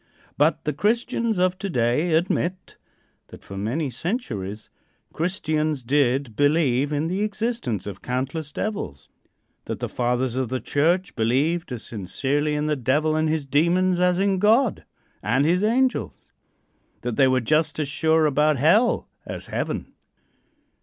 But the Christians of to day admit that for many centuries Christians did believe in the existence of countless devils; that the Fathers of the church believed as sincerely in the Devil and his demons as in God and his angels; that they were just as sure about hell as heaven.